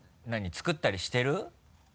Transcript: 作ったりしてる？